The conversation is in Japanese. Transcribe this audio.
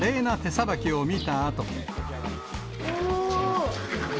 おー！